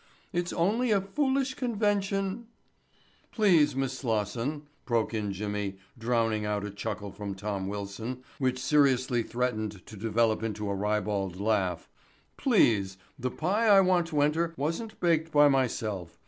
It's only a foolish convention——" "Please, Miss Slosson," broke in Jimmy drowning out a chuckle from Tom Wilson which seriously threatened to develop into a ribald laugh, "please—the pie I want to enter wasn't baked by myself.